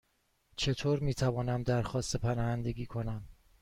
چطور می توانم درخواست پناهندگی کنم؟